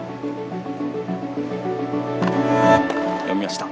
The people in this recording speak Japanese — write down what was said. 読みました。